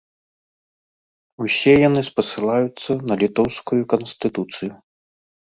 Усе яны спасылаюцца на літоўскую канстытуцыю.